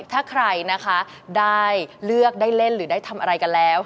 ถ้าใครนะคะได้เลือกได้เล่นหรือได้ทำอะไรกันแล้ว